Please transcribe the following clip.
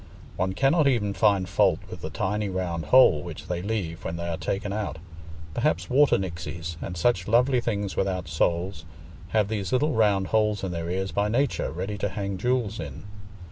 One cannot even find fault with the tiny round hole which they leave when they are taken out; perhaps water nixies, and such lovely things without souls, have these little round holes in their ears by nature, ready to hang jewels in.